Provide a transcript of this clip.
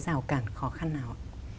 rào cản khó khăn nào